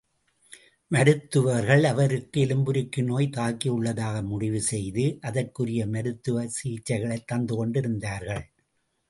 மருத்துவர்கள் அவருக்கு எலும்புருக்கி நோய் தாக்கியுள்ளதாக முடிவு செய்து, அதற்குரிய மருத்துவ சிகிச்சைகளைத் தந்து கொண்டிருந்தார்கள்.